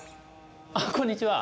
あこんにちは。